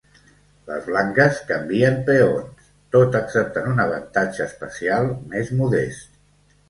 Les blanques canvien peons, tot acceptant un avantatge espacial més modest.